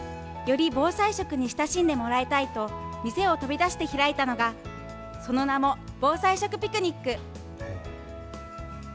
より防災食に親しんでもらいたいと、店を飛び出して開いたのが、その名も、防災食ピクニック。